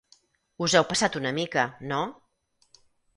Us heu passat una mica, no?